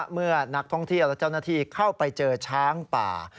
เมื่อนักท่องเที่ยวและเจ้าหน้าที่เข้าไปเจอช้างป่า